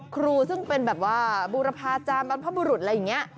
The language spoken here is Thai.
ครูซึ่งเป็นแบบว่าบูรพาจารย์บรรพบุรุษอะไรอย่างนี้